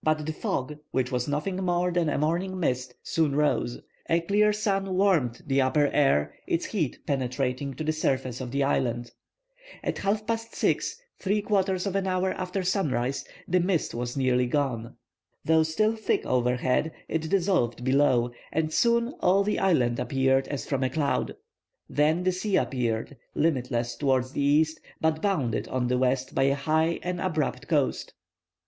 But the fog, which was nothing more than a morning mist, soon rose. A clear sun warmed the upper air, its heat penetrating to the surface of the island. At half past 6, three quarters of an hour after sunrise, the mist was nearly gone. Though still thick overhead, it dissolved, below, and soon all the island appeared, as from a cloud. Then the sea appeared, limitless towards the east, but bounded on the west by a high and abrupt coast.